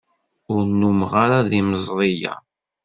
Ur nnumeɣ ara d yimeẓri-a.